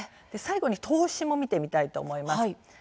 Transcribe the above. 最後に投資も見てみたいと思います。